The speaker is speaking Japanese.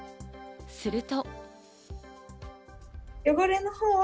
すると。